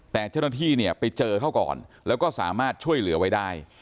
แต่เช่นที่ไปเจอเขาก่อนแล้วก็สามารถช่วยเหลือไว้ได้